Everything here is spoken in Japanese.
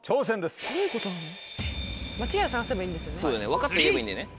分かったら言えばいいんだよね。